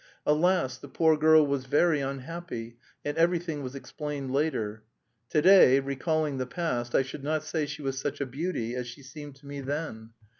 Alas, the poor girl was very unhappy, and everything was explained later. To day, recalling the past, I should not say she was such a beauty as she seemed to me then.